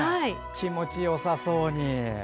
気持ちよさそうに。